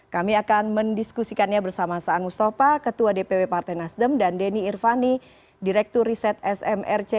kami akan mendiskusikannya bersama saan mustafa ketua dpw partai nasdem dan denny irvani direktur riset smrc